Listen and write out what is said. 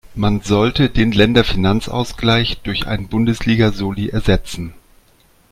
Man sollte den Länderfinanzausgleich durch einen Bundesliga-Soli ersetzen.